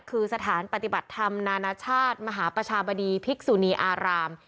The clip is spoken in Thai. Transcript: คือสถานปฏิบัติธรรมนานาชาติมหาประชาบดีภิกษุนีอาราม